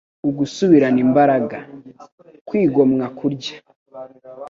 ugasubirana imbaraga. Kwigomwa kurya